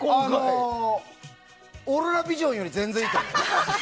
オーロラビジョンより全然いいと思う。